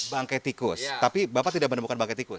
bangke tikus tapi bapak tidak menemukan bangkai tikus